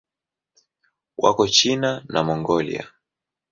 Wako China na Mongolia.